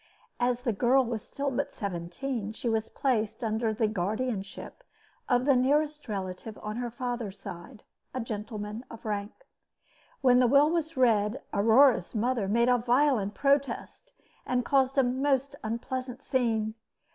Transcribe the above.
As the girl was still but seventeen, she was placed under the guardianship of the nearest relative on her father's side a gentleman of rank. When the will was read, Aurore's mother made a violent protest, and caused a most unpleasant scene.